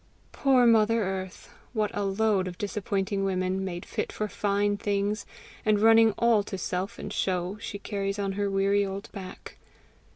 Poor mother earth! what a load of disappointing women, made fit for fine things, and running all to self and show, she carries on her weary old back!